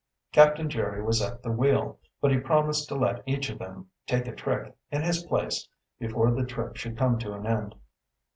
Captain Jerry was at the wheel, but he promised to let each of them "take a trick" in his place before the trip should come to an end.